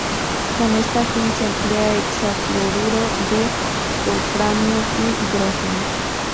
Con esta fin se emplea hexafluoruro de wolframio y hidrógeno.